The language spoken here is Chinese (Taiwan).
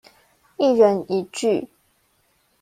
一人一句